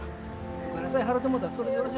お金さえ払うてもろうたらそれでよろしゅうおます。